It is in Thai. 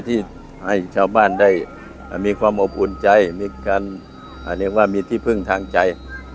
ที่ให้ชาวบ้านได้มีความอบอุ่นใจมีการเรียกว่ามีที่พึ่งทางใจ